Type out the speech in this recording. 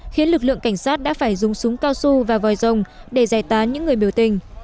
khiến lực lượng cảnh sát đã phải dùng súng cao su và vòi rồng để giải tán những người biểu tình